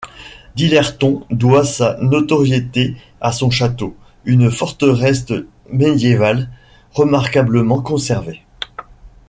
Dirleton doit sa notoriété à son château, une forteresse médiévale remarquablement conservée.